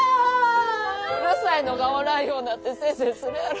うるさいのがおらんようになって清々するやろ。